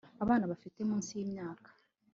abana bafite munsi y'imyaka